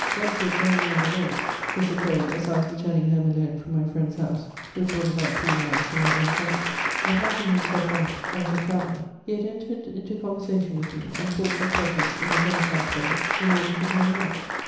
Once he had joined me on the road; (this occurred, as I was returning home alone from my friend's house, which was about three miles from my own cottage,) and, passing himself off as a traveller, he had entered into conversation with me, and talked of purpose in a democrat way in order to draw me out.